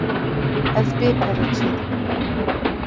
Ez bê pere çê dikim.